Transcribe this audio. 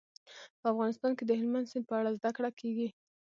په افغانستان کې د هلمند سیند په اړه زده کړه کېږي.